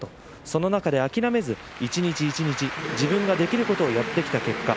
その中で諦めず、一日一日自分ができることをやってきた結果